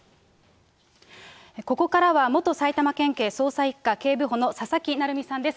ここからは元埼玉県警捜査１課警部補の佐々木成三さんです。